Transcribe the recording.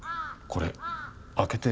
これ。